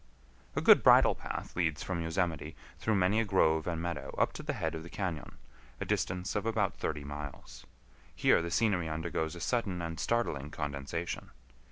A good bridle path leads from Yosemite through many a grove and meadow up to the head of the cañon, a distance of about thirty miles. Here the scenery undergoes a sudden and startling condensation.